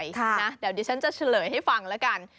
เดี๋ยวดิฉันจะเฉลยให้ฟังแล้วกัน